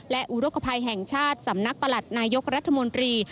และอุรกภัยแห่งชาติสำนักประหลัดนายกรัฐมนตรี